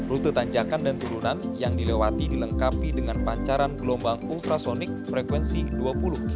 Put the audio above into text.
rute tanjakan dan turunan yang dilewati dilengkapi dengan pancaran gelombang ultrasonic frekuensi dua puluh kg